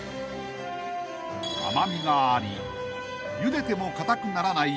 ［甘味がありゆでてもかたくならない